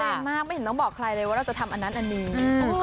แรงมากไม่เห็นต้องบอกใครเลยว่าเราจะทำอันนั้นอันนี้